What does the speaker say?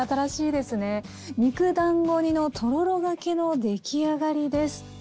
肉だんご煮のとろろがけの出来上がりです。